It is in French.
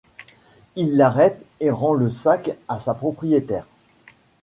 Il l'arrête et rend le sac à sa propriétaire.